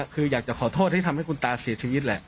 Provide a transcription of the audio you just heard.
คืออยากจะขอโทษที่ทำให้คุณตาเสียชีวิตแหละ